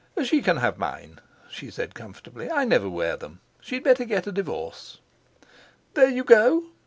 "She can have mine," she said comfortably. "I never wear them. She'd better get a divorce." "There you go!"